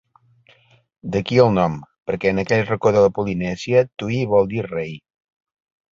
D'aquí el nom, perquè en aquell racó de la Polinèsia Tu'i vol dir rei.